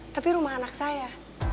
tapi rumah anak saya